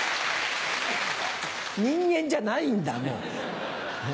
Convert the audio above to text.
人間じゃないんだもう。